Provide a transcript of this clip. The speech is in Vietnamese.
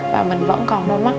và mình vẫn còn đôi mắt